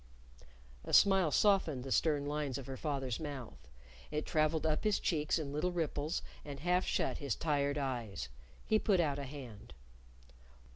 A smile softened the stern lines of her father's mouth. It traveled up his cheeks in little ripples, and half shut his tired eyes. He put out a hand.